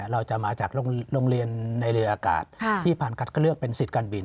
เราจะมาจากโรงเรียนในเรืออากาศที่ผ่านคัดเลือกเป็นสิทธิ์การบิน